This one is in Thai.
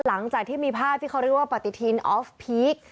หลังจากที่มีภาพที่เขาเรียกว่าปฏิทินออฟพีค